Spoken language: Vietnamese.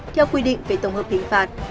theo quy định về tổng hợp hình phạt